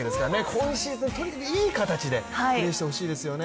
今シーズン、とにかくいい形でプレーしてほしいですね。